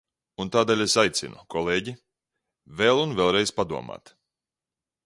Un tādēļ es aicinu, kolēģi, vēl un vēlreiz padomāt!